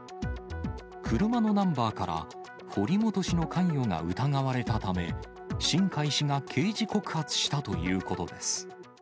車のナンバーから堀本氏の関与が疑われたため、新開氏が刑事告発したということです。